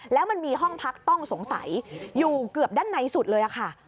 แล้วมันมีห้องพักต้องสงสัยอยู่เกือบด้านในสุดเลยค่ะ